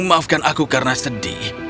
maafkan aku karena sedih